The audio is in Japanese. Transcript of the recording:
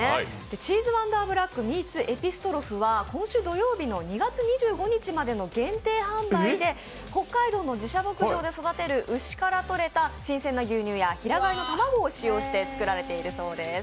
ＣＨＥＥＳＥＷＯＮＤＥＲＢＬＡＣＫｍｅｅｔｓＥＰＩＳＴＲＯＰＨは今週土曜日の２月２５日までの限定販売で、北海道の自社牧場で育てる牛からとれた新鮮な牛乳や平飼いの卵を使用して作られているそうです。